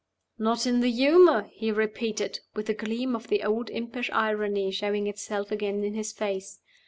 "Not in the humor?" he repeated, with a gleam of the old impish irony showing itself again in his face.